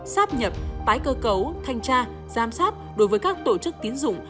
sáp nhập tái cơ cấu thanh tra giam sát đối với các tổ chức tiến dụng